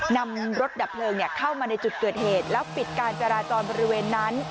นำรถดับเพลิงเข้ามาในจุดเกิดเหตุแล้วปิดการจราจรบริเวณนั้น